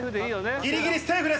ぎりぎりセーフです。